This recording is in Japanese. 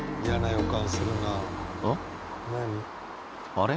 あれ？